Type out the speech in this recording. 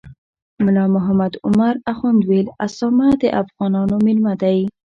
ملا محمد عمر اخند ویل اسامه د افغانانو میلمه دی.